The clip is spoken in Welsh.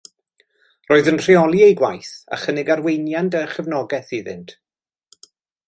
Roeddwn yn rheoli eu gwaith a chynnig arweiniad a chefnogaeth iddynt